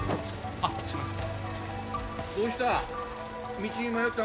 あっすいません。